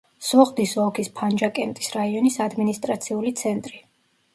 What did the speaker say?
სოღდის ოლქის ფანჯაკენტის რაიონის ადმინისტრაციული ცენტრი.